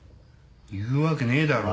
言うわけねえだろ。